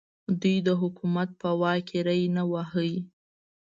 دوی د حکومت په واک کې ری نه واهه.